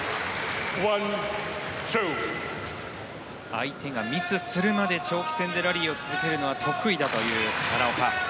相手がミスするまで長期戦でラリーを続けるのは得意だという奈良岡。